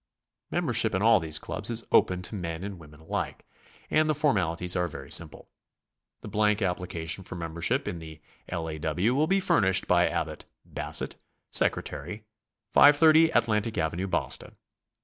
Membership in all these clubs is open to men and women alike, and the formali ties are very simple. The blank application for membership in the L. A. W. will be furnished by Abbot Bassett, Secre tary, 530 Atlantic Ave., Boston.